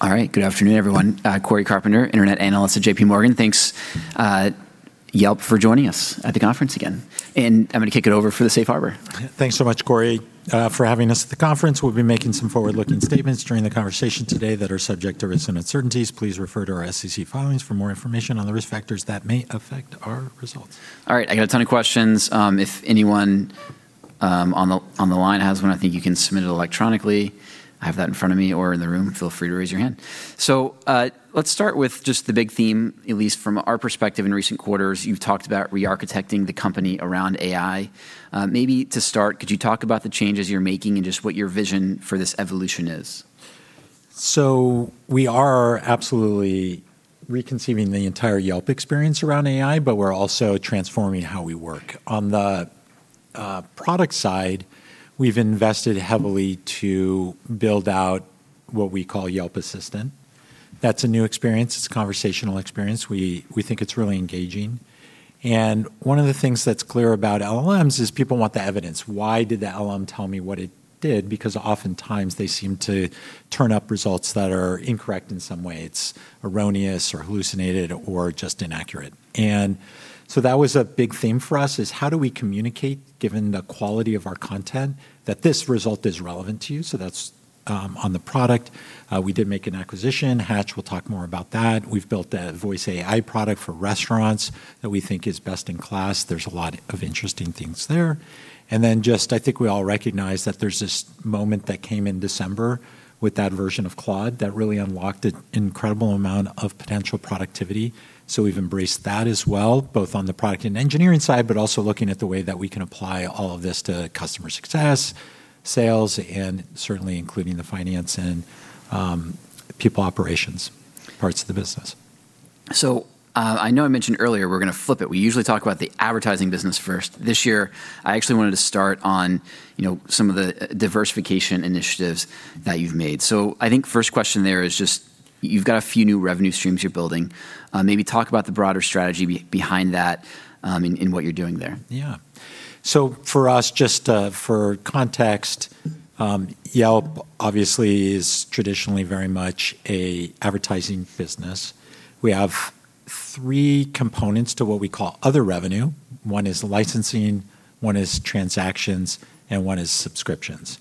All right. Good afternoon, everyone. Cory Carpenter, internet analyst at J.P. Morgan. Thanks, Yelp for joining us at the conference again. I'm gonna kick it over for the safe harbor. Thanks much, Cory, for having us at the conference. We'll be making some forward-looking statements during the conversation today that are subject to risks and uncertainties. Please refer to our SEC filings for more information on the risk factors that may affect our results. All right, I got a ton of questions. If anyone on the line has one, I think you can submit it electronically. I have that in front of me or in the room, feel free to raise your hand. Let's start with just the big theme, at least from our perspective in recent quarters. You've talked about re-architecting the company around AI. Maybe to start, could you talk about the changes you're making and just what your vision for this evolution is? We are absolutely reconceiving the entire Yelp experience around AI, but we're also transforming how we work. On the product side, we've invested heavily to build out what we call Yelp Assistant. That's a new experience. It's a conversational experience. We think it's really engaging. One of the things that's clear about LLMs is people want the evidence. Why did the LLM tell me what it did? Oftentimes they seem to turn up results that are incorrect in some way. It's erroneous or hallucinated or just inaccurate. That was a big theme for us, is how do we communicate, given the quality of our content, that this result is relevant to you? That's on the product. We did make an acquisition, Hatch. We'll talk more about that. We've built Yelp Host that we think is best in class. There's a lot of interesting things there. Just I think we all recognize that there's this moment that came in December with that version of Claude that really unlocked an incredible amount of potential productivity. We've embraced that as well, both on the product and engineering side, but also looking at the way that we can apply all of this to customer success, sales, and certainly including the finance and people operations parts of the business. I know I mentioned earlier we're gonna flip it. We usually talk about the advertising business first. This year, I actually wanted to start on, you know, some of the diversification initiatives that you've made. I think first question there is just you've got a few new revenue streams you're building. Maybe talk about the broader strategy behind that, in what you're doing there. Yeah. For us, just for context, Yelp obviously is traditionally very much a advertising business. We have three components to what we call other revenue. One is licensing, one is transactions, and one is subscriptions.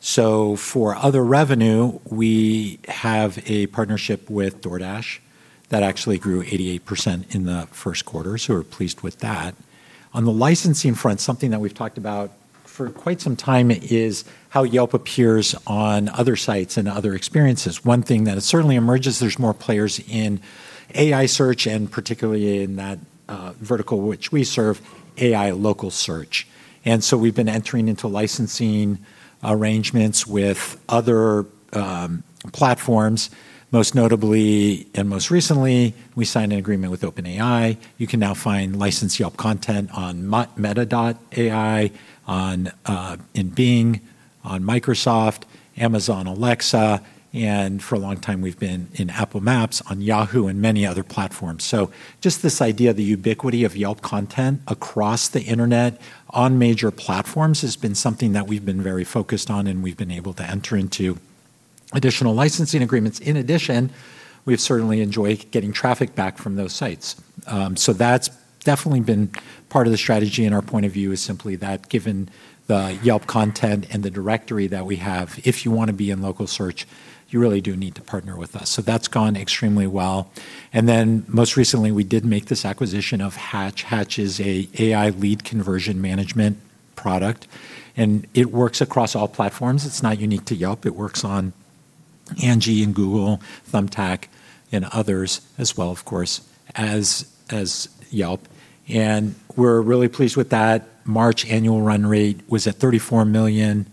For other revenue, we have a partnership with DoorDash that actually grew 88% in the first quarter, so we're pleased with that. On the licensing front, something that we've talked about for quite some time is how Yelp appears on other sites and other experiences. One thing that certainly emerges, there's more players in AI search, and particularly in that vertical which we serve, AI local search. We've been entering into licensing arrangements with other platforms. Most notably and most recently, we signed an agreement with OpenAI. You can now find licensed Yelp content on Meta.ai, in Bing, on Microsoft, Amazon Alexa, and for a long time we've been in Apple Maps, on Yahoo and many other platforms. Just this idea of the ubiquity of Yelp content across the internet on major platforms has been something that we've been very focused on, and we've been able to enter into additional licensing agreements. In addition, we've certainly enjoyed getting traffic back from those sites. That's definitely been part of the strategy and our point of view is simply that given the Yelp content and the directory that we have, if you wanna be in local search, you really do need to partner with us. That's gone extremely well. Most recently, we did make this acquisition of Hatch. Hatch is a AI lead conversion management product. It works across all platforms. It's not unique to Yelp. It works on Angi and Google, Thumbtack, and others as well, of course, as Yelp. We're really pleased with that. March annual run rate was at $34 million.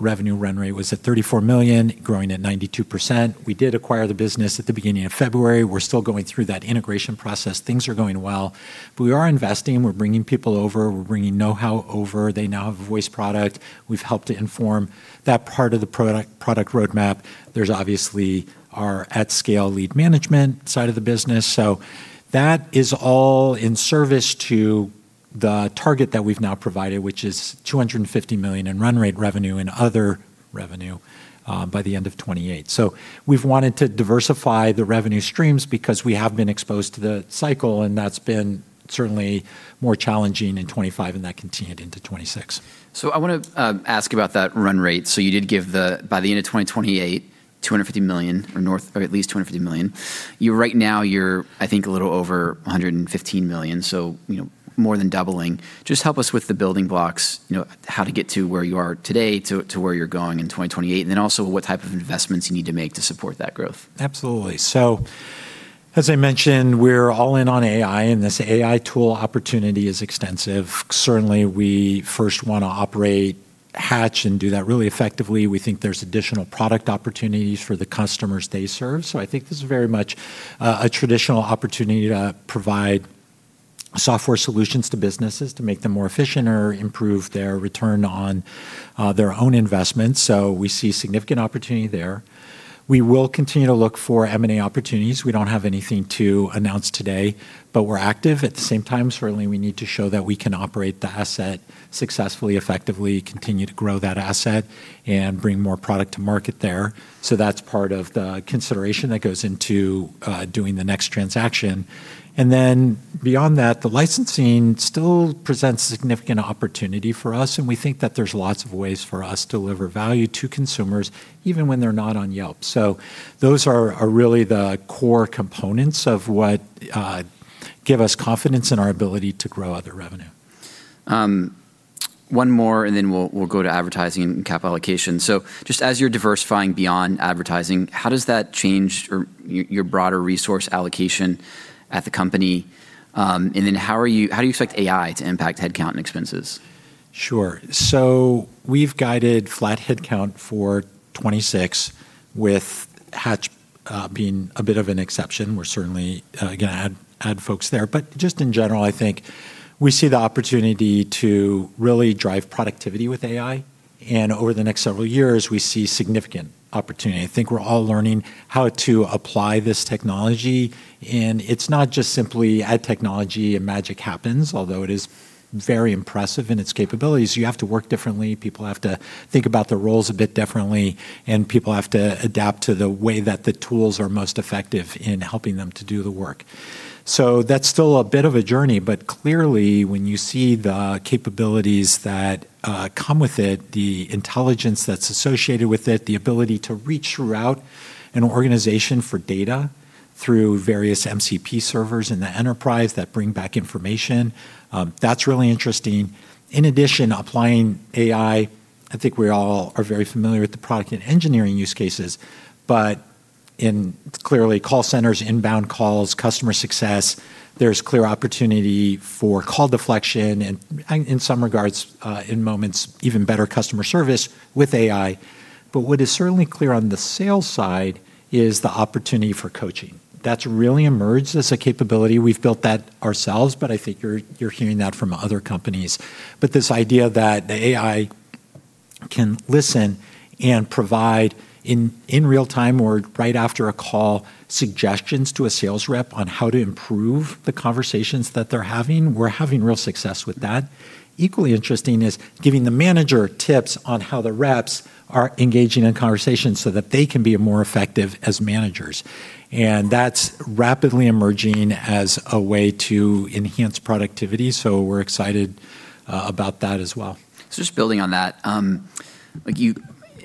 Revenue run rate was at $34 million, growing at 92%. We did acquire the business at the beginning of February. We're still going through that integration process. Things are going well. We are investing. We're bringing people over. We're bringing know-how over. They now have a voice product. We've helped to inform that part of the product roadmap. There's obviously our at-scale lead management side of the business. That is all in service to the target that we've now provided, which is $250 million in run rate revenue and other revenue by the end of 2028. We've wanted to diversify the revenue streams because we have been exposed to the cycle, and that's been certainly more challenging in 2025 and that continued into 2026. I want to ask about that run rate. You did give the by the end of 2028, $250 million or north or at least $250 million. Right now you're, I think, a little over $115 million, so, you know, more than doubling. Just help us with the building blocks, you know, how to get to where you are today to where you're going in 2028, and then also what type of investments you need to make to support that growth. Absolutely. As I mentioned, we're all in on AI, and this AI tool opportunity is extensive. Certainly, we first want to operate Hatch and do that really effectively. We think there's additional product opportunities for the customers they serve. I think this is very much a traditional opportunity to provide software solutions to businesses to make them more efficient or improve their return on their own investments. We see significant opportunity there. We will continue to look for M&A opportunities. We don't have anything to announce today, but we're active. At the same time, certainly we need to show that we can operate the asset successfully, effectively, continue to grow that asset, and bring more product to market there. That's part of the consideration that goes into doing the next transaction. Beyond that, the licensing still presents significant opportunity for us, and we think that there's lots of ways for us to deliver value to consumers even when they're not on Yelp. Those are really the core components of what give us confidence in our ability to grow other revenue. One more, we'll go to advertising and capital allocation. Just as you're diversifying beyond advertising, how does that change your broader resource allocation at the company? How do you expect AI to impact headcount and expenses? Sure. We've guided flat headcount for 2026 with Hatch being a bit of an exception. We're certainly going to add folks there. Just in general, I think we see the opportunity to really drive productivity with AI, and over the next several years, we see significant opportunity. I think we're all learning how to apply this technology, and it's not just simply add technology and magic happens, although it is very impressive in its capabilities. You have to work differently. People have to think about the roles a bit differently, and people have to adapt to the way that the tools are most effective in helping them to do the work. That's still a bit of a journey. Clearly, when you see the capabilities that come with it, the intelligence that's associated with it, the ability to reach throughout an organization for data through various MCP servers in the enterprise that bring back information, that's really interesting. In addition, applying AI, I think we all are very familiar with the product and engineering use cases, but in clearly call centers, inbound calls, customer success, there's clear opportunity for call deflection and in some regards, in moments, even better customer service with AI. What is certainly clear on the sales side is the opportunity for coaching. That's really emerged as a capability. We've built that ourselves, but I think you're hearing that from other companies. This idea that the AI can listen and provide in real time or right after a call, suggestions to a sales rep on how to improve the conversations that they're having, we're having real success with that. Equally interesting is giving the manager tips on how the reps are engaging in conversations so that they can be more effective as managers, and that's rapidly emerging as a way to enhance productivity, so we're excited about that as well. Just building on that, like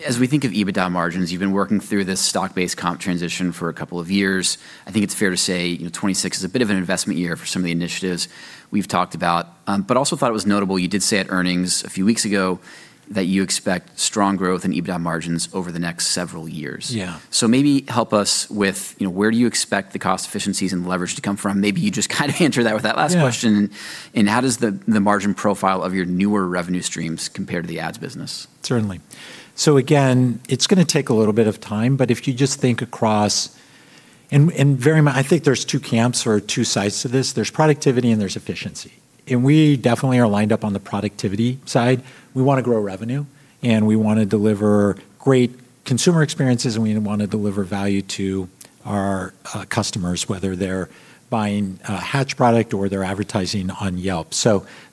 as we think of EBITDA margins, you've been working through this stock-based comp transition for a couple of years. I think it's fair to say, you know, 2026 is a bit of an investment year for some of the initiatives we've talked about. Also thought it was notable, you did say at earnings a few weeks ago that you expect strong growth in EBITDA margins over the next several years. Yeah. Maybe help us with, you know, where do you expect the cost efficiencies and leverage to come from? Maybe you just kind of answered that with that last question. How does the margin profile of your newer revenue streams compare to the ads business? Certainly. Again, it's gonna take a little bit of time, but if you just think across, and I think there's two camps or two sides to this. There's productivity, and there's efficiency, we definitely are lined up on the productivity side. We wanna grow revenue, we wanna deliver great consumer experiences, we wanna deliver value to our customers, whether they're buying a Hatch product or they're advertising on Yelp.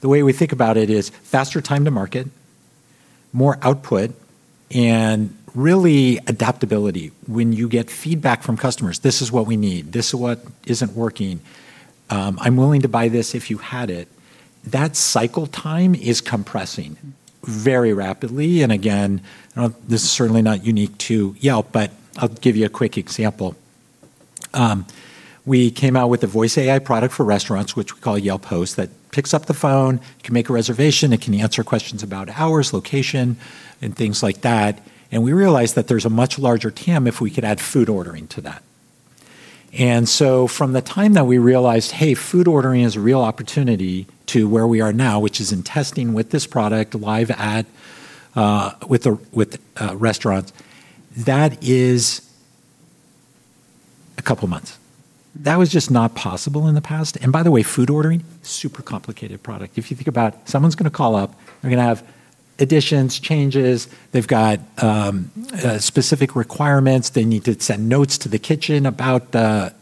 The way we think about it is faster time to market, more output, and really adaptability. When you get feedback from customers, this is what we need. This is what isn't working. I'm willing to buy this if you had it, that cycle time is compressing very rapidly. Again, this is certainly not unique to Yelp, but I'll give you a quick example. We came out with a voice AI product for restaurants, which we call Yelp Host, that picks up the phone, can make a reservation, it can answer questions about hours, location, and things like that. We realized that there's a much larger TAM if we could add food ordering to that. From the time that we realized, "Hey, food ordering is a real opportunity," to where we are now, which is in testing with this product, live with the restaurants, that is couple of months. That was just not possible in the past. By the way, food ordering, super complicated product. If you think about it, someone's gonna call up, they're gonna have additions, changes. They've got specific requirements. They need to send notes to the kitchen about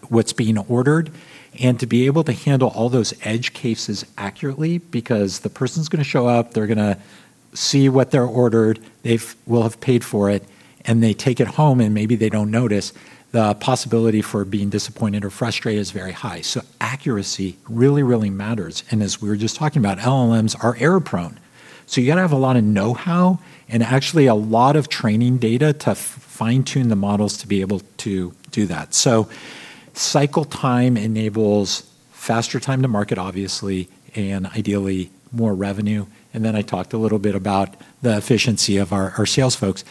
what's being ordered. To be able to handle all those edge cases accurately because the person's going to show up, they're going to see what they ordered, they will have paid for it, and they take it home, and maybe they don't notice the possibility for being disappointed or frustrated is very high. Accuracy really matters. As we were just talking about, LLMs are error-prone. You got to have a lot of know-how and actually a lot of training data to fine-tune the models to be able to do that. Cycle time enables faster time to market, obviously, and ideally more revenue. I talked a little bit about the efficiency of our sales folks.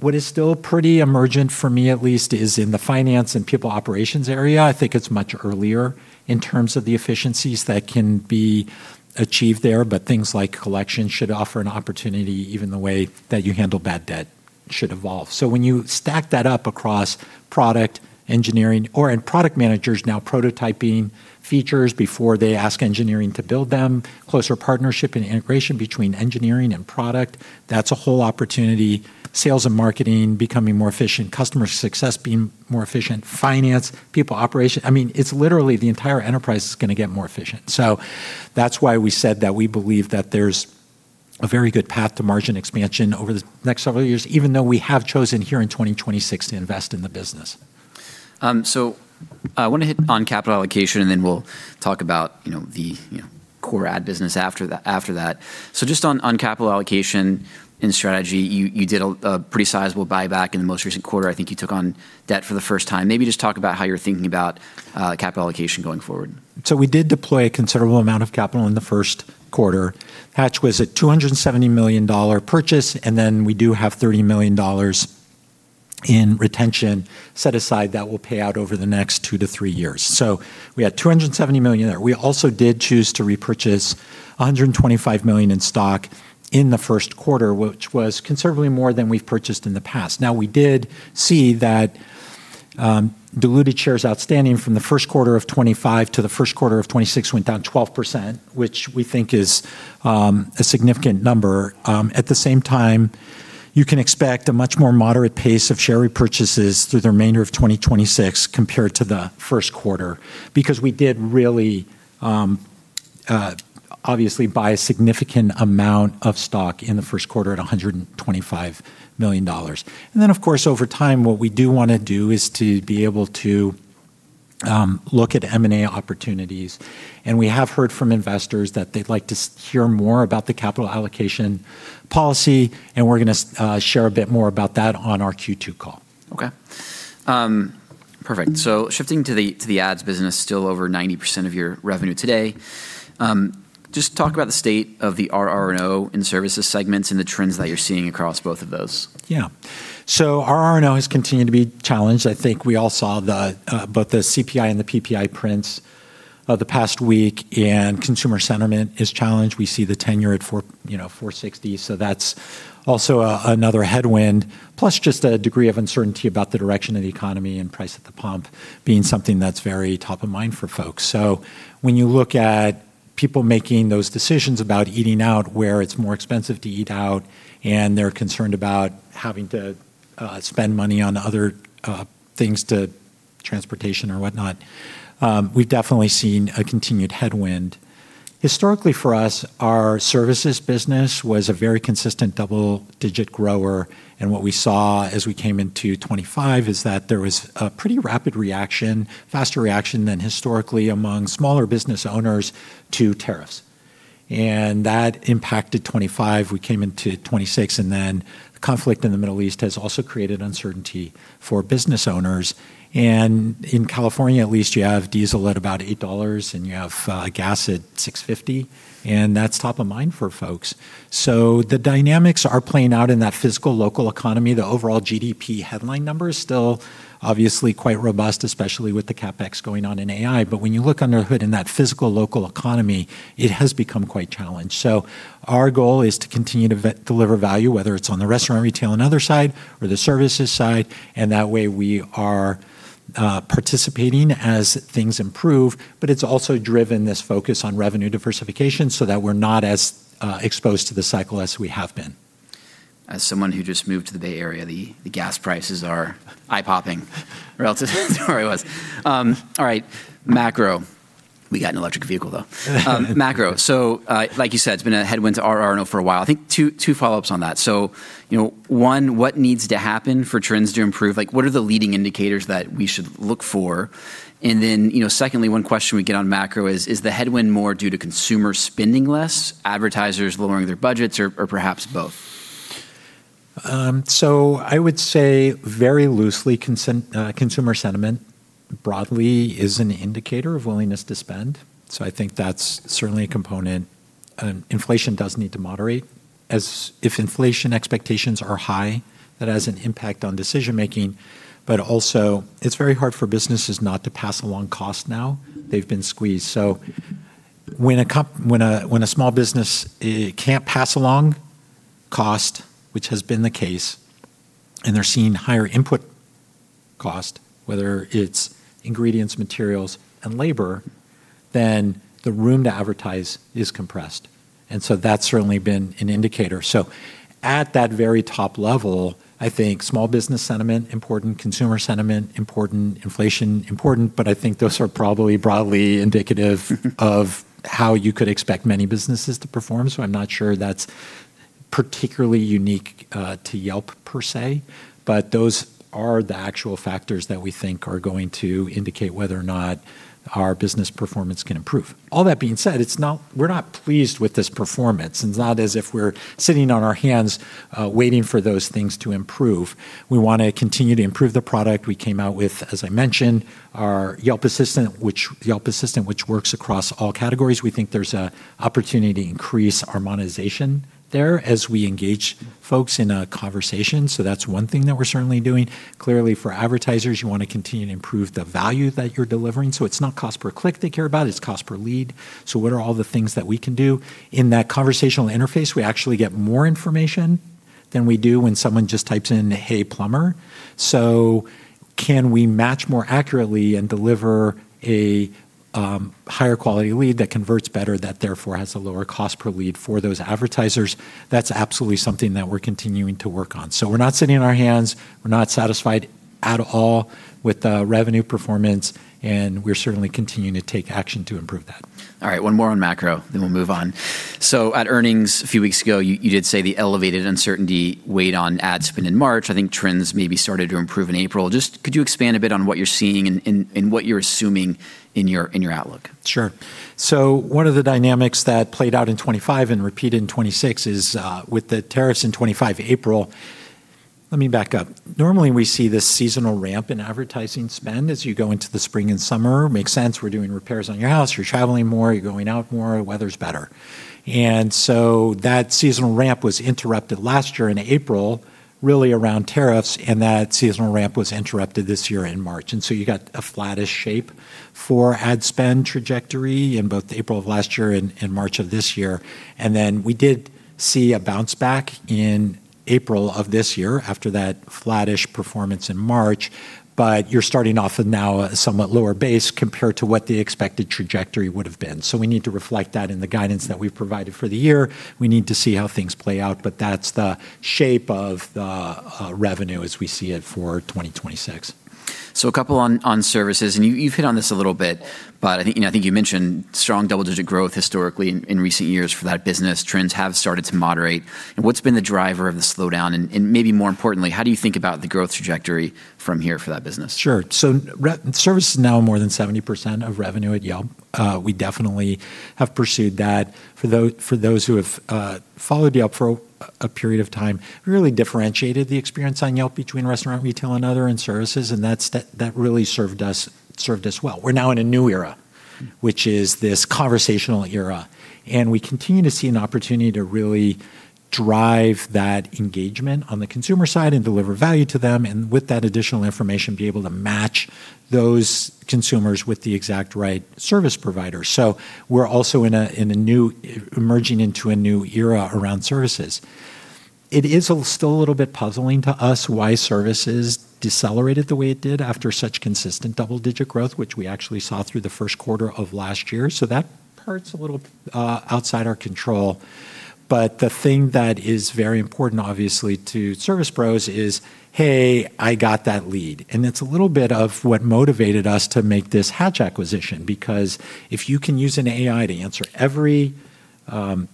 What is still pretty emergent, for me at least, is in the finance and people operations area. I think it's much earlier in terms of the efficiencies that can be achieved there. Things like collections should offer an opportunity, even the way that you handle bad debt should evolve. When you stack that up across product engineering and product managers now prototyping features before they ask engineering to build them, closer partnership and integration between engineering and product, that's a whole opportunity. Sales and marketing becoming more efficient, customer success being more efficient, finance, people, operations. I mean, it's literally the entire enterprise is gonna get more efficient. That's why we said that we believe that there's a very good path to margin expansion over the next several years, even though we have chosen here in 2026 to invest in the business. I want to hit on capital allocation, and then we'll talk about the core ad business after that. Just on capital allocation and strategy, you did a pretty sizable buyback in the most recent quarter. I think you took on debt for the first time. Maybe just talk about how you're thinking about capital allocation going forward. We did deploy a considerable amount of capital in the first quarter. Hatch was a $270 million purchase. We do have $30 million in retention set aside that will pay out over the next two-three years. We had $270 million there. We also did choose to repurchase $125 million in stock in the first quarter, which was considerably more than we've purchased in the past. We did see that diluted shares outstanding from the first quarter of 2025 to the first quarter of 2026 went down 12%, which we think is a significant number. At the same time, you can expect a much more moderate pace of share repurchases through the remainder of 2026 compared to the first quarter, because we did really, obviously buy a significant amount of stock in the first quarter at $125 million. Of course, over time, what we do wanna do is to be able to look at M&A opportunities. We have heard from investors that they'd like to hear more about the capital allocation policy, and we're gonna share a bit more about that on our Q2 call. Okay. Perfect. Shifting to the ads business, still over 90% of your revenue today. Just talk about the state of the RR&O and services segments and the trends that you're seeing across both of those. Yeah. RR&O has continued to be challenged. I think we all saw the both the CPI and the PPI prints of the past week, consumer sentiment is challenged. We see the 10-year at 4.60%, you know, that's also another headwind, plus just a degree of uncertainty about the direction of the economy and price at the pump being something that's very top of mind for folks. When you look at people making those decisions about eating out, where it's more expensive to eat out, and they're concerned about having to spend money on other things to transportation or whatnot, we've definitely seen a continued headwind. Historically, for us, our services business was a very consistent double-digit grower, what we saw as we came into 2025 is that there was a pretty rapid reaction, faster reaction than historically among smaller business owners to tariffs. That impacted 2025. We came into 2026, then the conflict in the Middle East has also created uncertainty for business owners. In California, at least, you have diesel at about $8, you have gas at $6.50, that's top of mind for folks. The dynamics are playing out in that physical local economy. The overall GDP headline number is still obviously quite robust, especially with the CapEx going on in AI, when you look under the hood in that physical local economy, it has become quite challenged. Our goal is to continue to deliver value, whether it's on the restaurant, retail, and other side or the services side, and that way we are participating as things improve. It's also driven this focus on revenue diversification so that we're not as exposed to the cycle as we have been. As someone who just moved to the Bay Area, the gas prices are eye-popping relative to where I was. All right, macro. We got an electric vehicle, though. Macro. Like you said, it's been a headwind to RR&O for a while. I think two follow-ups on that. You know, one, what needs to happen for trends to improve? Like, what are the leading indicators that we should look for? You know, secondly, one question we get on macro is the headwind more due to consumer spending less, advertisers lowering their budgets or perhaps both? I would say very loosely consumer sentiment broadly is an indicator of willingness to spend. I think that's certainly a component. Inflation does need to moderate as if inflation expectations are high, that has an impact on decision-making. It's very hard for businesses not to pass along cost now. They've been squeezed. When a small business, it can't pass along cost, which has been the case, and they're seeing higher input cost, whether it's ingredients, materials, and labor, then the room to advertise is compressed. That's certainly been an indicator. At that very top level, I think small business sentiment, important, consumer sentiment, important, inflation, important, I think those are probably broadly indicative of how you could expect many businesses to perform. I'm not sure that's particularly unique to Yelp per se, but those are the actual factors that we think are going to indicate whether or not our business performance can improve. All that being said, we're not pleased with this performance. It's not as if we're sitting on our hands waiting for those things to improve. We wanna continue to improve the product. We came out with, as I mentioned, our Yelp Assistant, which works across all categories. We think there's a opportunity to increase our monetization there as we engage folks in a conversation. That's one thing that we're certainly doing. Clearly, for advertisers, you wanna continue to improve the value that you're delivering. It's not cost per click they care about, it's cost per lead. What are all the things that we can do? In that conversational interface, we actually get more information than we do when someone just types in, "Hey, plumber." Can we match more accurately and deliver a higher quality lead that converts better that therefore has a lower cost per lead for those advertisers? That's absolutely something that we're continuing to work on. We're not sitting on our hands, we're not satisfied at all with the revenue performance, and we're certainly continuing to take action to improve that. All right, one more on macro, then we'll move on. At earnings a few weeks ago, you did say the elevated uncertainty weighed on ad spend in March. I think trends maybe started to improve in April. Could you expand a bit on what you're seeing and what you're assuming in your outlook? Sure. One of the dynamics that played out in 2025 and repeated in 2026 is, with the tariffs in 2025 April. Let me back up. Normally, we see this seasonal ramp in advertising spend as you go into the spring and summer. Makes sense. We're doing repairs on your house, you're traveling more, you're going out more, weather's better. That seasonal ramp was interrupted last year in April, really around tariffs, and that seasonal ramp was interrupted this year in March. You got a flattish shape for ad spend trajectory in both April of last year and March of this year. We did see a bounce back in April of this year after that flattish performance in March. You're starting off with now a somewhat lower base compared to what the expected trajectory would've been. We need to reflect that in the guidance that we've provided for the year. We need to see how things play out. That's the shape of the revenue as we see it for 2026. A couple on services, and you've hit on this a little bit, but I think, you know, I think you mentioned strong double-digit growth historically in recent years for that business. Trends have started to moderate. What's been the driver of the slowdown? Maybe more importantly, how do you think about the growth trajectory from here for that business? Sure. Service is now more than 70% of revenue at Yelp. We definitely have pursued that. For those who have followed Yelp for a period of time, really differentiated the experience on Yelp between restaurant, retail, and other, and services, and that really served us well. We're now in a new era, which is this conversational era, and we continue to see an opportunity to really drive that engagement on the consumer side and deliver value to them, and with that additional information, be able to match those consumers with the exact right service provider. We're also in a new, emerging into a new era around services. It is still a little bit puzzling to us why services decelerated the way it did after such consistent double-digit growth, which we actually saw through the first quarter of last year. That part's a little outside our control. The thing that is very important, obviously, to service pros is, "Hey, I got that lead." It's a little bit of what motivated us to make this Hatch acquisition because if you can use an AI to answer every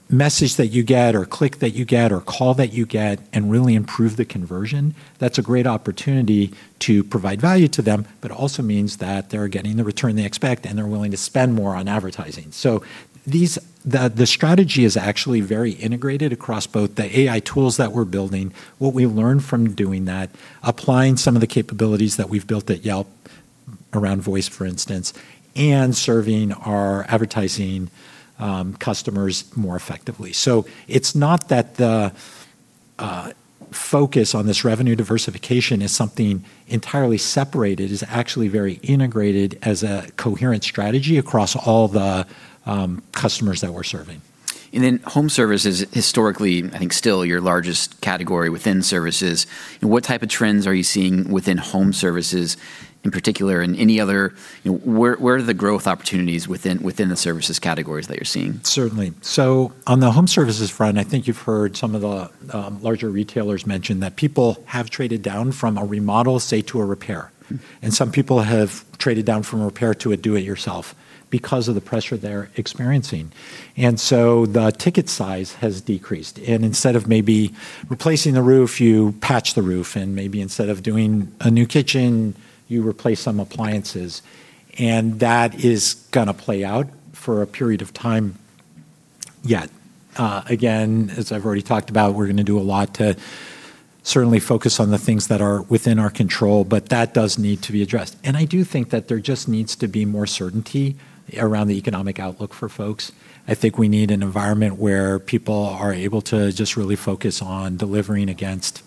message that you get or click that you get or call that you get and really improve the conversion, that's a great opportunity to provide value to them, but also means that they're getting the return they expect, and they're willing to spend more on advertising. The strategy is actually very integrated across both the AI tools that we're building, what we learn from doing that, applying some of the capabilities that we've built at Yelp around voice, for instance, and serving our advertising customers more effectively. It's not that the focus on this revenue diversification is something entirely separated. It's actually very integrated as a coherent strategy across all the customers that we're serving. Home services historically, I think still your largest category within services, what type of trends are you seeing within home services in particular? You know, where are the growth opportunities within the services categories that you're seeing? Certainly. on the home services front, I think you've heard some of the larger retailers mention that people have traded down from a remodel, say, to a repair. Some people have traded down from a repair to a do-it-yourself because of the pressure they're experiencing. The ticket size has decreased, and instead of maybe replacing the roof, you patch the roof, and maybe instead of doing a new kitchen, you replace some appliances. That is gonna play out for a period of time yet. Again, as I've already talked about, we're gonna do a lot to certainly focus on the things that are within our control, but that does need to be addressed. I do think that there just needs to be more certainty around the economic outlook for folks. I think we need an environment where people are able to just really focus on delivering against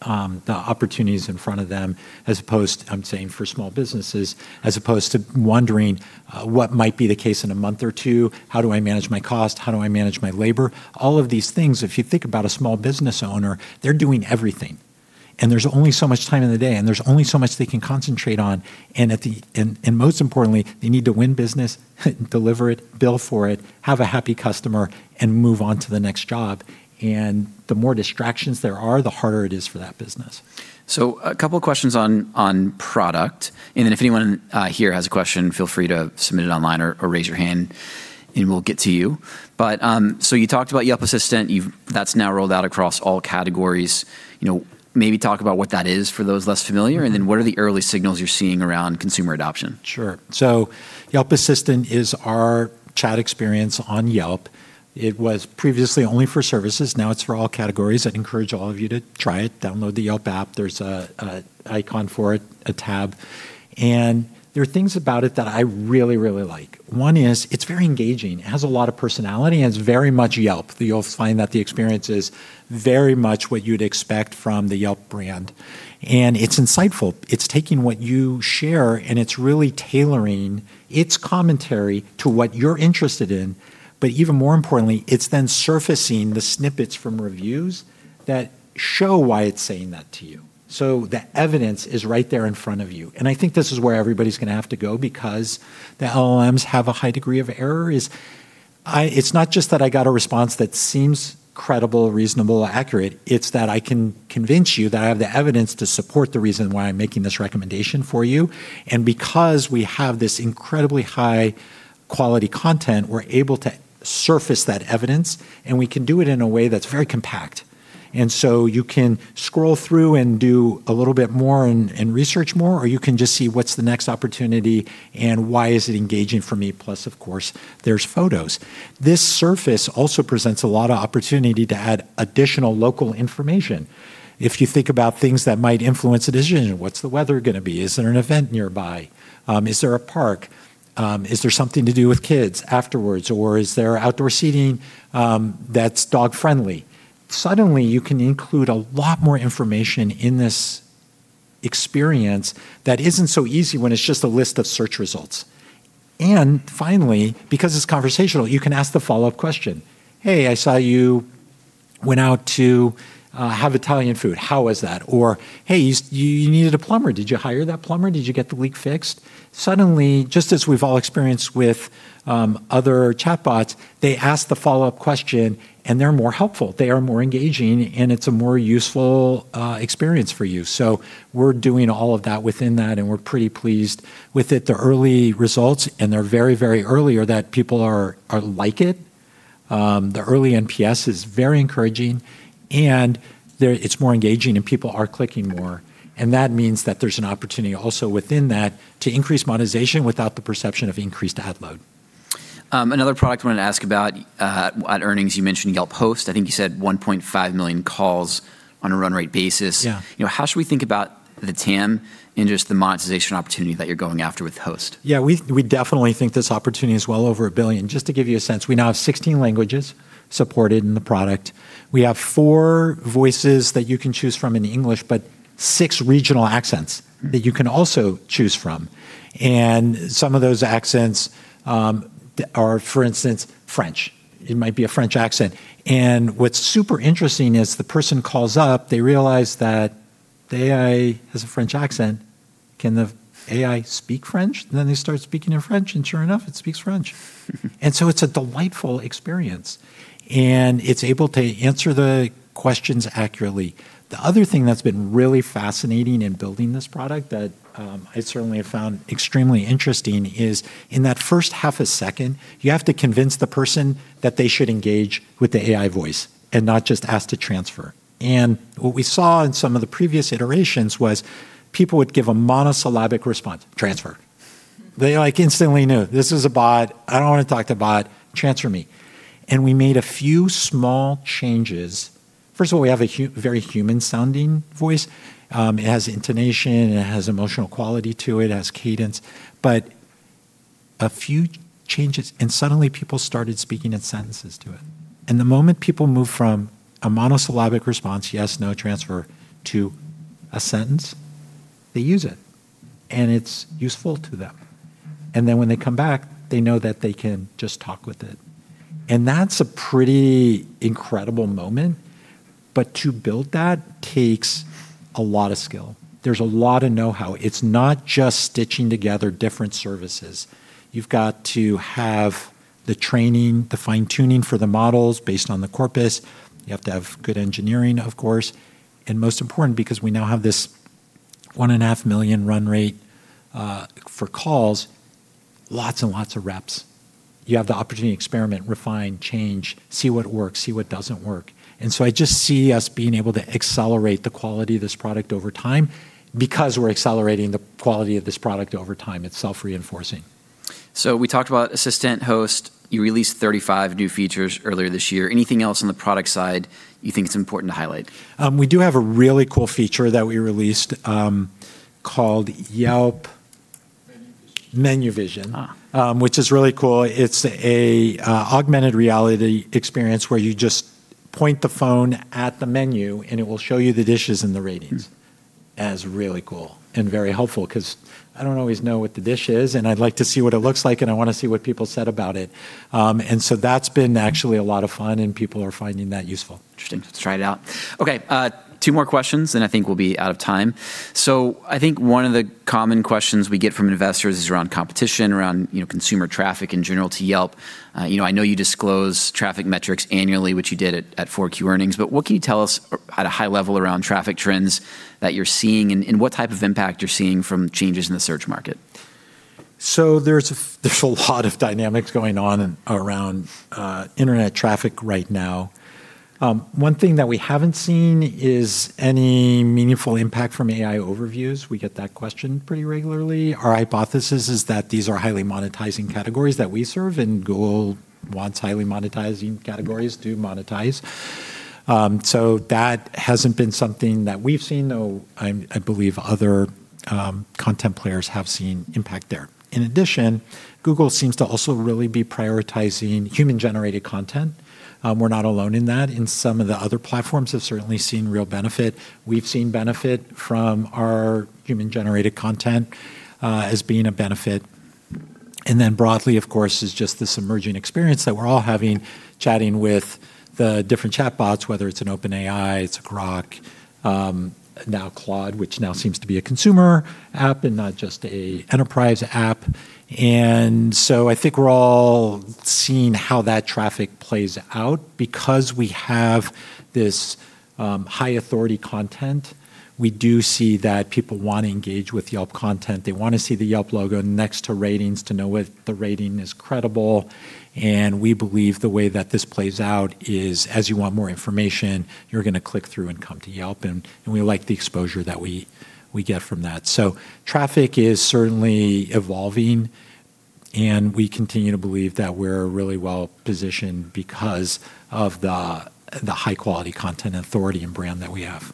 the opportunities in front of them, as opposed, I'm saying for small businesses, as opposed to wondering what might be the case in a month or two. How do I manage my cost? How do I manage my labor? All of these things, if you think about a small business owner, they're doing everything, and there's only so much time in the day, and there's only so much they can concentrate on. Most importantly, they need to win business, deliver it, bill for it, have a happy customer, and move on to the next job. The more distractions there are, the harder it is for that business. A couple questions on product, and then if anyone here has a question, feel free to submit it online or raise your hand, and we'll get to you. You talked about Yelp Assistant. That's now rolled out across all categories. You know, maybe talk about what that is for those less familiar? What are the early signals you're seeing around consumer adoption? Sure. Yelp Assistant is our chat experience on Yelp. It was previously only for services. Now it's for all categories. I'd encourage all of you to try it. Download the Yelp app. There's a icon for it, a tab, and there are things about it that I really, really like. One is it's very engaging. It has a lot of personality and it's very much Yelp. You'll find that the experience is very much what you'd expect from the Yelp brand, and it's insightful. It's taking what you share, and it's really tailoring its commentary to what you're interested in. Even more importantly, it's then surfacing the snippets from reviews that show why it's saying that to you. The evidence is right there in front of you, and I think this is where everybody's gonna have to go because the LLMs have a high degree of error is, it's not just that I got a response that seems credible, reasonable, accurate, it's that I can convince you that I have the evidence to support the reason why I'm making this recommendation for you. Because we have this incredibly high quality content, we're able to surface that evidence, and we can do it in a way that's very compact. You can scroll through and do a little bit more and research more, or you can just see what's the next opportunity and why is it engaging for me. Plus, of course, there's photos. This surface also presents a lot of opportunity to add additional local information. If you think about things that might influence a decision, what's the weather gonna be? Is there an event nearby? Is there a park? Is there something to do with kids afterwards, or is there outdoor seating that's dog-friendly? Suddenly, you can include a lot more information in this experience that isn't so easy when it's just a list of search results. Finally, because it's conversational, you can ask the follow-up question. "Hey, I saw you went out to have Italian food. How was that?" Or, "Hey, you needed a plumber. Did you hire that plumber? Did you get the leak fixed?" Suddenly, just as we've all experienced with other chatbots, they ask the follow-up question, and they're more helpful. They are more engaging, and it's a more useful experience for you. We're doing all of that within that, and we're pretty pleased with it. The early results, they're very, very early, are that people are like it. The early NPS is very encouraging. It's more engaging and people are clicking more. That means that there's an opportunity also within that to increase monetization without the perception of increased ad load. Another product I wanted to ask about, at earnings, you mentioned Yelp Host. I think you said 1.5 million calls on a run rate basis. You know, how should we think about the TAM and just the monetization opportunity that you're going after with Host? Yeah, we definitely think this opportunity is well over $1 billion. Just to give you a sense, we now have 16 languages supported in the product. We have four voices that you can choose from in English, but six regional accents that you can also choose from. Some of those accents are, for instance, French. It might be a French accent. What's super interesting is the person calls up, they realize that the AI has a French accent. Can the AI speak French? Then they start speaking in French, and sure enough, it speaks French. It's a delightful experience, and it's able to answer the questions accurately. The other thing that's been really fascinating in building this product that I certainly have found extremely interesting is in that first half a second, you have to convince the person that they should engage with the AI voice and not just ask to transfer. What we saw in some of the previous iterations was people would give a monosyllabic response, "Transfer." They, like, instantly knew, "This is a bot. I don't want to talk to bot. Transfer me." We made a few small changes. First of all, we have a very human-sounding voice. It has intonation, it has emotional quality to it has cadence. A few changes, suddenly people started speaking in sentences to it. The moment people move from a monosyllabic response, "Yes, no transfer," to a sentence, they use it, and it's useful to them. When they come back, they know that they can just talk with it. That's a pretty incredible moment. To build that takes a lot of skill. There's a lot of know-how. It's not just stitching together different services. You've got to have the training, the fine-tuning for the models based on the corpus. You have to have good engineering, of course. Most important, because we now have this 1.5 million run rate for calls, lots and lots of reps. You have the opportunity to experiment, refine, change, see what works, see what doesn't work. I just see us being able to accelerate the quality of this product over time. Because we're accelerating the quality of this product over time, it's self-reinforcing. We talked about Assistant, Host. You released 35 new features earlier this year. Anything else on the product side you think is important to highlight? We do have a really cool feature that we released, called Yelp Menu Vision. Which is really cool. It's a augmented reality experience where you just point the phone at the menu, and it will show you the dishes and the ratings. That is really cool and very helpful 'cause I don't always know what the dish is, and I'd like to see what it looks like, and I wanna see what people said about it. That's been actually a lot of fun, and people are finding that useful. Interesting. Let's try it out. Okay, two more questions, and I think we'll be out of time. I think one of the common questions we get from investors is around competition, around, you know, consumer traffic in general to Yelp. You know, I know you disclose traffic metrics annually, which you did at Q4 earnings, but what can you tell us at a high level around traffic trends that you're seeing and what type of impact you're seeing from changes in the search market? There's a lot of dynamics going on around internet traffic right now. One thing that we haven't seen is any meaningful impact from AI Overviews. We get that question pretty regularly. Our hypothesis is that these are highly monetizing categories that we serve, and Google wants highly monetizing categories to monetize. That hasn't been something that we've seen, though I believe other content players have seen impact there. In addition, Google seems to also really be prioritizing human-generated content. We're not alone in that, and some of the other platforms have certainly seen real benefit. We've seen benefit from our human-generated content as being a benefit. Broadly, of course, is just this emerging experience that we're all having chatting with the different chatbots, whether it's an OpenAI, it's a Grok, now Claude, which now seems to be a consumer app and not just an enterprise app. I think we're all seeing how that traffic plays out. Because we have this high authority content, we do see that people want to engage with Yelp content. They want to see the Yelp logo next to ratings to know whether the rating is credible. We believe the way that this plays out is as you want more information, you're gonna click through and come to Yelp, and we like the exposure that we get from that. Traffic is certainly evolving, and we continue to believe that we're really well-positioned because of the high-quality content authority and brand that we have.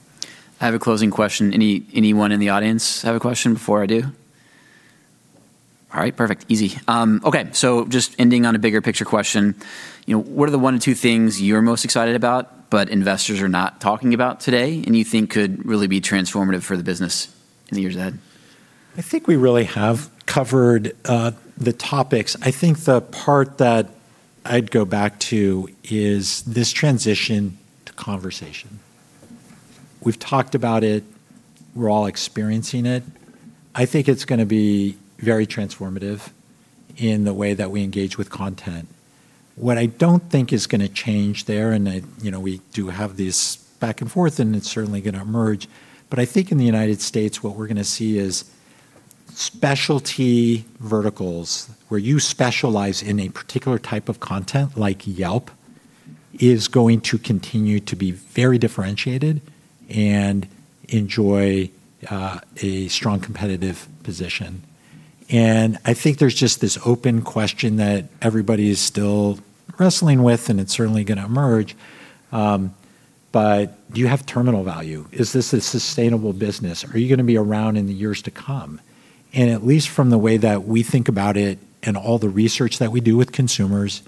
I have a closing question. Anyone in the audience have a question before I do? All right, perfect. Easy. Okay, just ending on a bigger picture question, you know, what are the one to two things you're most excited about but investors are not talking about today and you think could really be transformative for the business in the years ahead? I think we really have covered the topics. I think the part that I'd go back to is this transition to conversation. We've talked about it. We're all experiencing it. I think it's gonna be very transformative in the way that we engage with content. What I don't think is gonna change there, and I, you know, we do have this back and forth, and it's certainly gonna emerge, but I think in the United States, what we're gonna see is specialty verticals where you specialize in a particular type of content, like Yelp, is going to continue to be very differentiated and enjoy a strong competitive position. I think there's just this open question that everybody is still wrestling with, and it's certainly gonna emerge, but do you have terminal value? Is this a sustainable business? Are you gonna be around in the years to come? At least from the way that we think about it and all the research that we do with consumers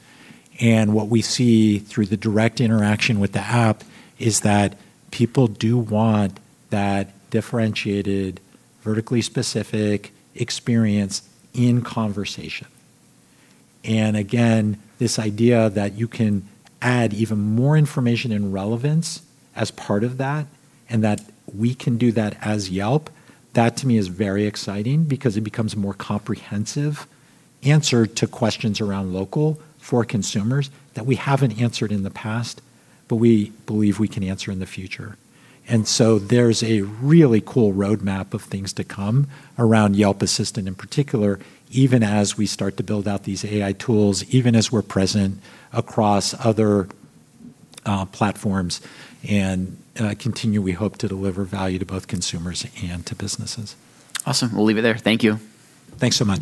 and what we see through the direct interaction with the app is that people do want that differentiated, vertically specific experience in conversation. Again, this idea that you can add even more information and relevance as part of that and that we can do that as Yelp, that to me is very exciting because it becomes a more comprehensive answer to questions around local for consumers that we haven't answered in the past, but we believe we can answer in the future. There's a really cool roadmap of things to come around Yelp Assistant in particular, even as we start to build out these AI tools, even as we're present across other platforms, and continue, we hope, to deliver value to both consumers and to businesses. Awesome. We'll leave it there. Thank you. Thanks so much.